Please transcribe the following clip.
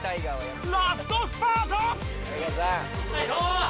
ラストスパート！